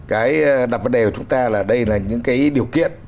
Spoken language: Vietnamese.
cái đặt vấn đề của chúng ta là đây là những cái điều kiện